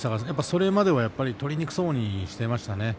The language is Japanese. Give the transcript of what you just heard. それまでは取りにくそうにしていました。